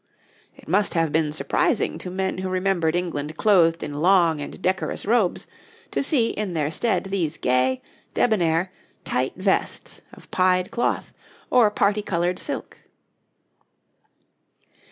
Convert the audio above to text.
It must have been surprising to men who remembered England clothed in long and decorous robes to see in their stead these gay, debonair, tight vests of pied cloth or parti coloured silk.